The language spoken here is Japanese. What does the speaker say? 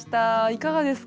いかがですか？